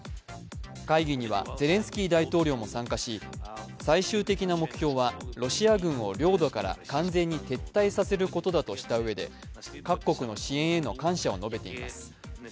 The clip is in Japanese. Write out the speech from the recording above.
会議にはゼレンスキー大統領も参加し、最終的な目標はロシア軍を領土から完全に撤退させることだとしたうえで、各国の支援への感謝を述べています。